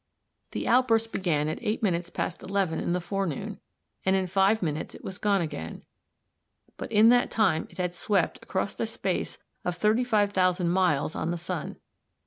The outburst began at eight minutes past eleven in the forenoon, and in five minutes it was gone again, but in that time it had swept across a space of 35,000 miles on the sun!